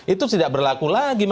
itu tidak berlaku lagi